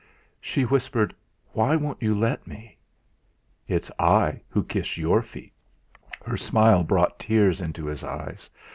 She whispered: "Why won't you let me?" "It's I who will kiss your feet!" Her smile brought tears into his eyes.